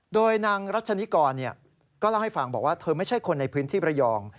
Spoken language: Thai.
โดยนางรัชนิกรก็เล่าให้ฟังบอกว่าเธอไม่ใช่คนในพื้นที่ประยอง